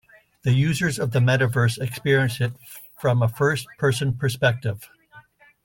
The users of the Metaverse experience it from a first person perspective.